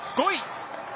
５位。